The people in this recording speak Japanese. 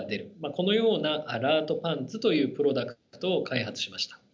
このようなアラートパンツというプロダクトを開発しました。